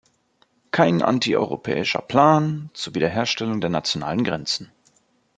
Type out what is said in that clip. Kein antieuropäischer Plan zur Wiederherstellung der nationalen Grenzen.